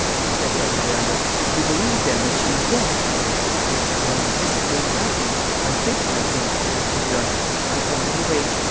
said Edward Arundel; "you believe, then, that she is dead?" "I anticipate nothing; I think nothing," answered the artist; "I only wait.